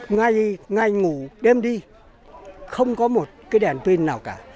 ngay ngày ngủ đêm đi không có một cái đèn pin nào cả